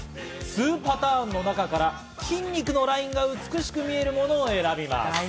数パターンの中から筋肉のラインが美しく見えるものを選びます。